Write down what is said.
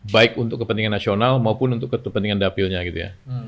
baik untuk kepentingan nasional maupun untuk kepentingan dapilnya gitu ya